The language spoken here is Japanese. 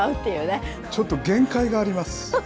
ちょっと限界があります。